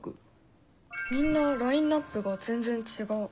みんなラインナップが全然違う。